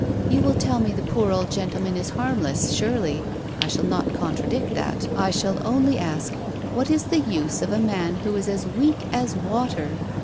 You will tell me the poor old gentleman is harmless, surely. I shall not contradict that I shall only ask, what is the use of a man who is as weak as water?